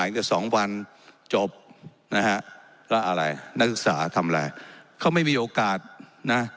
กับสองวันจบนะฮะก็อะไรนักศึกษาทำอะไรเขาไม่มีโอกาสนะ